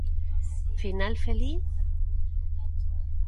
Final feliz?